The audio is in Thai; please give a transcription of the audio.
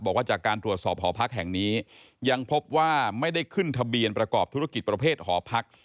บอกว่าจากการตรวจสอบหอพักแห่งนี้ยังพบว่าไม่ได้ขึ้นทะเบียนประกอบธุรกิจประเภทหอพัก